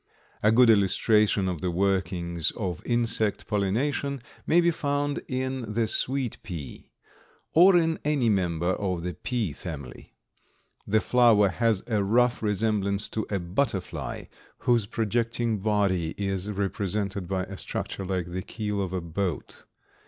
A good illustration of the workings of insect pollination may be found in the sweet pea, or in any member of the pea family. The flower has a rough resemblance to a butterfly, whose projecting body is represented by a structure like the keel of a boat.